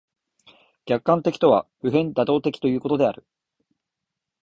客観的とは普遍妥当的ということである。